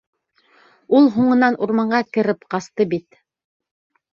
Ул һуңынан урманға кереп ҡасты бит.